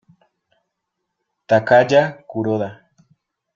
Takaya Kuroda